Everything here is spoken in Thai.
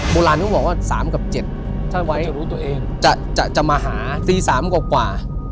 โบราณต้องบอกว่า๓กับ๗ถ้าไว้จะมาหา๔๓กว่า